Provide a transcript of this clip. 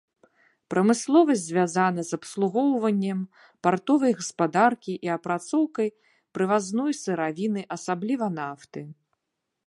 Прамысловасць звязана з абслугоўваннем партовай гаспадаркі і апрацоўкай прывазной сыравіны, асабліва нафты.